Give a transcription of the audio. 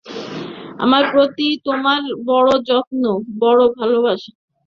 আমার প্রতি তোমাদের বড়ো যত্ন, বড়ো ভালোবাসা।